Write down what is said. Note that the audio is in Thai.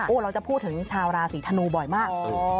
เราจะพูดถึงชาวราศีธนูบ่อยมาก